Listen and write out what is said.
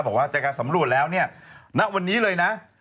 บอกว่าจากการสำรวจแล้วเนี่ยณวันนี้เลยนะ